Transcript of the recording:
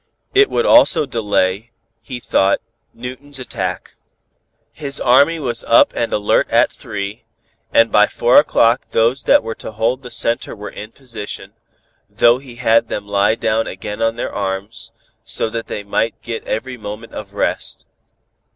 It would also delay, he thought, Newton's attack. His army was up and alert at three, and by four o'clock those that were to hold the center were in position, though he had them lie down again on their arms, so that they might get every moment of rest.